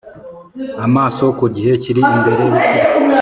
Amaso ku gihe kiri imbere ibikire ubutunzi bwo mu buryo